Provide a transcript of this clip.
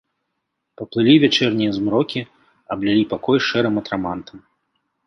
Паплылі вячэрнія змрокі, аблілі пакой шэрым атрамантам.